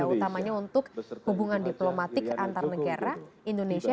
utamanya untuk hubungan diplomatik antar negara indonesia